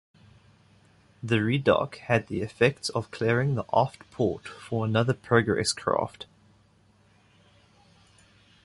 The redock had the effect of clearing the aft port for another Progress craft.